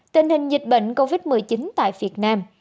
tình hình dịch bệnh covid một mươi chín tại việt nam